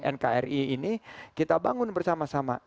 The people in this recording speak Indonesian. nkri ini kita bangun bersama sama